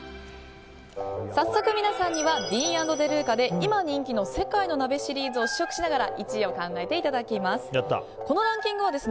早速、皆さんにはＤＥＡＮ＆ＤＥＬＵＣＡで今人気の世界の鍋シリーズを試食しながら１位を考えていただきます。